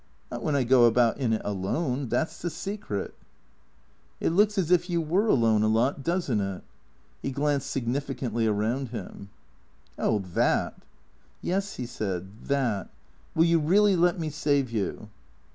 " Not when I go about in it alone. That 's the secret." " It looks as if you were alone a lot, does n't it ?" He glanced significantly around him, " Oh — that !"" Yes," he said, " that, Will you really let me save you